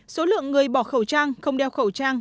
số lượng người bỏ khẩu trang không đeo khẩu trang